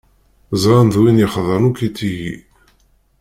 Ẓran d win yexḍan akk i tigi.